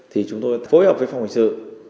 thì chúng tôi phối hợp với phòng hành sự